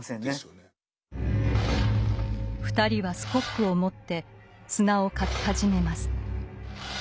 ２人はスコップを持って砂を掻き始めます。